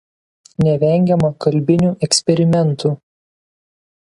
Nevengiama kalbinių eksperimentų.